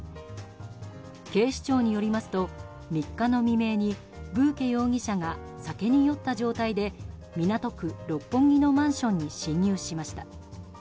警視庁によりますと３日の未明にブーケ容疑者が酒に酔った状態で港区六本木のマンションに侵入しました。